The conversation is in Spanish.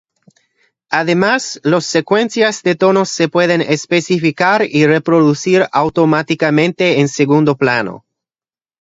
Además, las secuencias de tonos se pueden especificar y reproducir automáticamente en segundo plano.